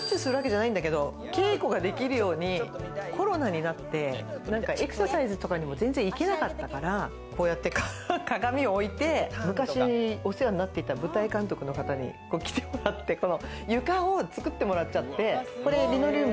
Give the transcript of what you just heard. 稽古ができるように、コロナになってエクササイズとかにも全然行けなかったから、こうやって鏡を置いて、昔お世話になっていた舞台監督の方に来てもらって、床を作ってもらっちゃって。